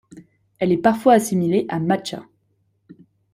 Elle est parfois assimilée à Macha.